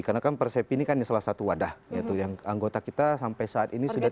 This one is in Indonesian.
karena kan resepi ini kan salah satu wadah yang anggota kita sampai saat ini sudah tiga puluh dua